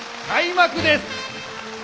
開幕です！